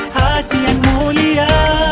hati yang muda